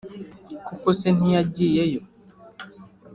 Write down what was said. koko se ntiyagiyeyo